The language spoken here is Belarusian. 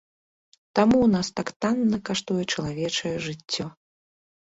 Таму ў нас так танна каштуе чалавечае жыццё.